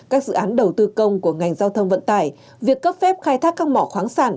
các dự án đầu tư công của ngành giao thông vận tải việc cấp phép khai thác các mỏ khoáng sản